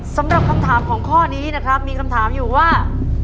สำหรับคำถามของข้อนี้นะครับมีคำถามอยู่ว่า